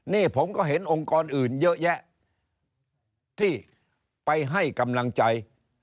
นี่ผมก็เห็นองค์กรอื่นเยอะแยะที่ไปให้กำลังใจ